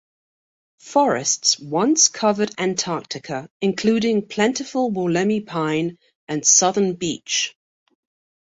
Forests once covered Antarctica, including plentiful Wollemi Pine and Southern Beech.